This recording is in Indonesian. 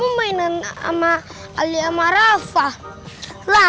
boleh nantiangan masuk jalan ncopax rad weilands